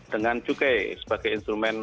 dengan cukai sebagai instrumen